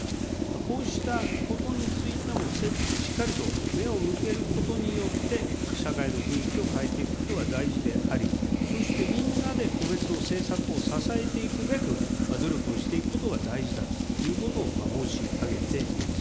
こうしたことについても、しっかりと目を向けることによって、社会の雰囲気を変えていくことが大事であり、そしてみんなで個別の政策を支えていくべく努力をしていくことが大事だということを申し上げています。